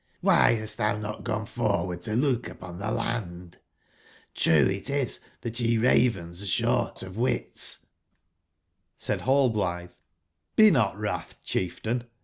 why hast thou not gone forward to look upon the land? TTrue it is that ye Ravens are short of wits/' Said Rallblithe:''Be not wrath, chieftain